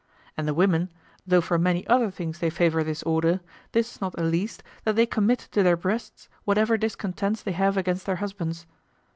And the women, though for many other things they favor this order, this is not the least, that they commit to their breasts whatever discontents they have against their husbands.